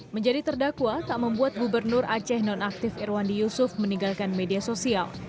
menjadi terdakwa tak membuat gubernur aceh nonaktif irwandi yusuf meninggalkan media sosial